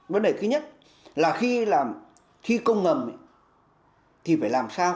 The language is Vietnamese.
vấn đề thứ nhất là khi công ngầm thì phải làm sao